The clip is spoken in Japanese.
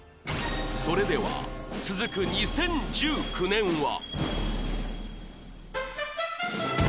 それでは続く２０１９年は？